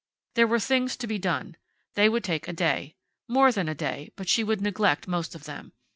There were things to be done. They would take a day. More than a day, but she would neglect most of them.